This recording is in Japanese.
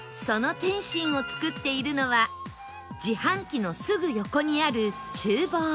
その点心を作っているのは自販機のすぐ横にある厨房